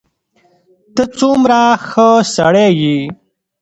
ته څومره ښه سړی یې.